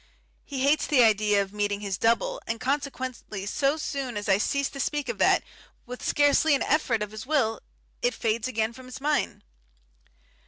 He hates the idea of meeting his double, and consequently so soon as I cease to speak of that, with scarcely an effort of his will, it fades again from his mind.